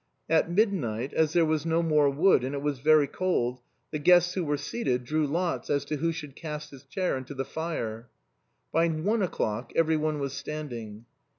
At midnight, as there was no more wood, and it was very cold, the guests who were seated drew lots as to who should cast his chair into the fire. By one o'clock every one was standing.